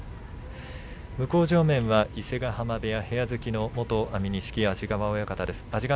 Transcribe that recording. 向正面は伊勢ヶ濱部屋の部屋付きの元安美錦安治川親方です。